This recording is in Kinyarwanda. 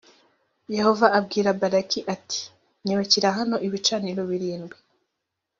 yehova abwira balaki ati “nyubakira hano ibicaniro birindwi”